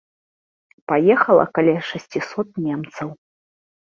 Паехала каля шасцісот немцаў.